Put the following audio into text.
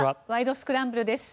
スクランブル」です。